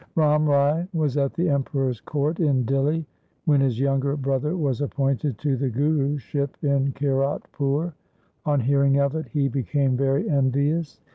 Ram Rai was at the Emperor's court in Dihli when his younger brother was appointed to the Guruship in Kiratpur. On hearing of it be became very envious.